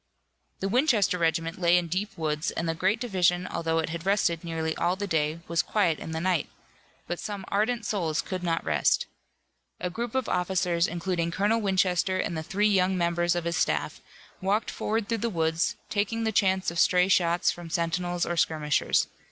The Winchester regiment lay in deep woods, and the great division although it had rested nearly all the day was quiet in the night. But some ardent souls could not rest. A group of officers, including Colonel Winchester and the three young members of his staff, walked forward through the woods, taking the chance of stray shots from sentinels or skirmishers.